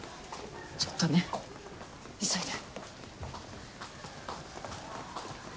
ちょっとね急いで。